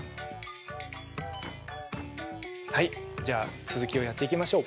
はいじゃあ続きをやっていきましょう。